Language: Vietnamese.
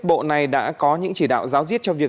bộ này đã có những chỉ đạo giáo diết cho việc